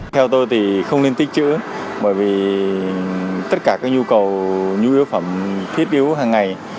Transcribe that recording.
theo tôi thì không nên tích chữ bởi vì tất cả các nhu cầu nhu yếu phẩm thiết yếu hàng ngày